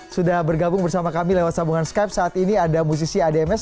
sudah bergabung bersama kami lewat sambungan skype saat ini ada musisi adms